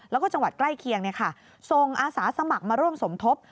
แล้วก็จังหวัดใกล้เคียงส่งอาสาสมัครมาร่วมสมทบ